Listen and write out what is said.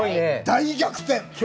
大逆転！